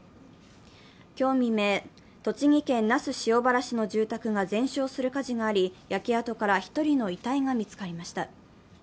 今日未明、栃木県那須塩原市の住宅が全焼する火事があり、焼け跡から１人の遺体が見つかりました。